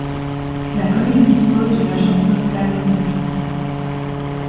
La commune dispose d'une agence postale communale.